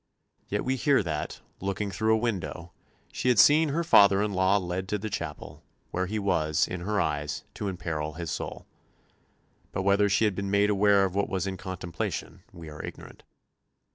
Yet we hear that, looking through a window, she had seen her father in law led to the chapel, where he was, in her eyes, to imperil his soul. But whether she had been made aware of what was in contemplation we are ignorant.